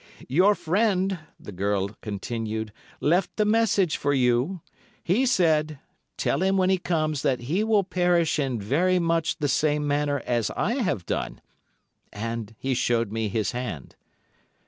"Your friend," the girl continued, "left a message for you. He said—tell him when he comes that he will perish in very much the same manner as I have done; and he showed me his hand."